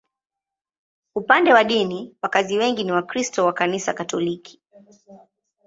Upande wa dini, wakazi wengi ni Wakristo wa Kanisa Katoliki.